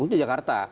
jangan ke jakarta